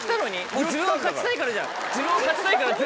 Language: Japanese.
自分が勝ちたいからじゃん。